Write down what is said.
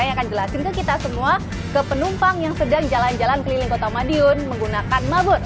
saya akan jelasin ke kita semua ke penumpang yang sedang jalan jalan keliling kota madiun menggunakan magot